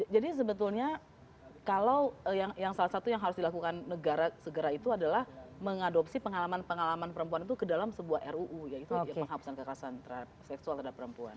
jadi sebetulnya kalau yang salah satu yang harus dilakukan negara segera itu adalah mengadopsi pengalaman pengalaman perempuan itu ke dalam sebuah ruu yaitu penghapusan kekerasan terhadap seksual terhadap perempuan